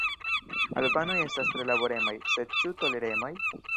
Albanoj estas tre laboremaj, sed ĉu toleremaj?